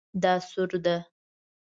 دا سور ده